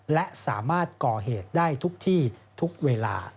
และสามารถก่อเหตุได้ทุกที่ทุกเวลา